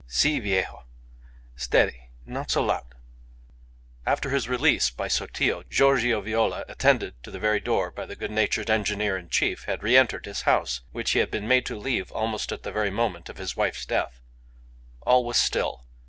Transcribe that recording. "Si, viejo. Steady. Not so loud." After his release by Sotillo, Giorgio Viola, attended to the very door by the good natured engineer in chief, had reentered his house, which he had been made to leave almost at the very moment of his wife's death. All was still.